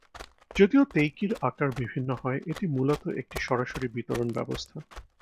যদিও তেইকির আকার বিভিন্ন হয়, এটি মূলত একটি সরাসরি বিতরণ ব্যবস্থা।